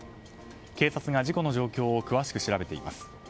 警察が事故の状況を詳しく調べています。